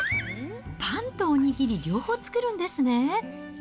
パンとお握り両方作るんですね。